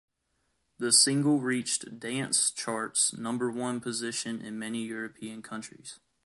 The single reached dance charts' number one position in many European countries.